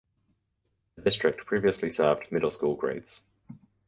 The district previously served middle school grades.